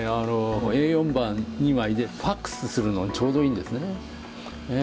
Ａ４版２枚でＦＡＸするのにちょうどいいんですね。